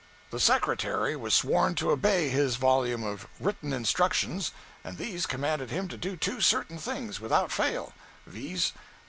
The Secretary was sworn to obey his volume of written "instructions," and these commanded him to do two certain things without fail, viz.